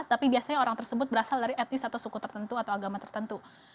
tapi biasanya orang tersebut berasal dari etnis atau suku tertentu atau agama tertentu